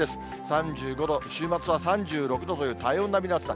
３５度、週末は３６度という体温並みの暑さ。